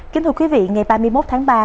kính thưa quý vị ngày ba mươi một tháng ba